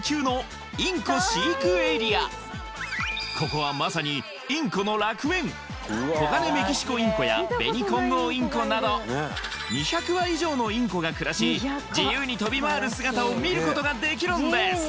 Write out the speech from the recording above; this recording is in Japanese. ここはまさにインコの楽園コガネメキシコインコやベニコンゴウインコなど２００羽以上のインコが暮らし自由に飛び回る姿を見ることができるんです